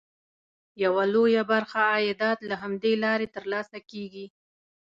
یوه لویه برخه عایدات له همدې لارې ترلاسه کېږي.